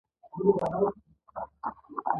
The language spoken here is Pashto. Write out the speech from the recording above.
هغو تولیدونکو چې وسایل نه لرل زیار ویسته.